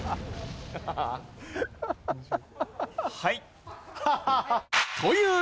はい。